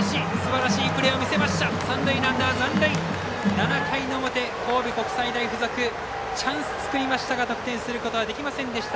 ７回の表、神戸国際大付属チャンス作りましたが得点することができませんでした。